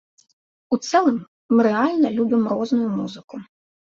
У цэлым, мы рэальна любім розную музыку.